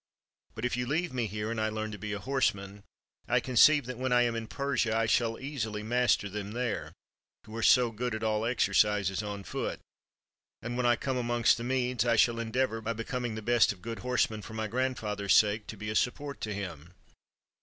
But if you leave me here, and I learn to be a horseman, I conceive that when I am in Persia, I shall easily master them there, who are so good at all exercises on foot; and when I come amongst the Medes, I shall endeavor by becoming the best of good horsemen for my grand father's sake, to be a support to him."